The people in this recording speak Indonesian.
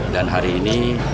dan hari ini